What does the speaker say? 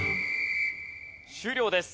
終了です。